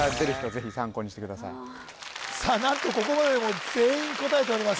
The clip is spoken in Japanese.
ぜひ参考にしてくださいさあ何とここまでもう全員答えております